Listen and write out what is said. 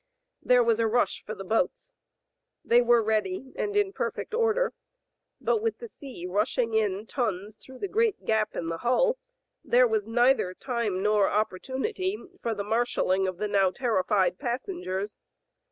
There was a rush for boats. They were ready and in perfect order. But with the sea rushing in in tons through the great gap in the hull, there was neither time nor opportunity for the marshal ing of the now terrified passengers.